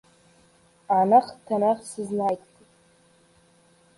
Aniq-taniq sizni aytdi.